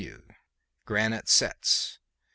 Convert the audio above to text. W. Granite setts. 9.